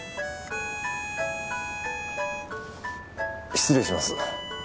失礼します。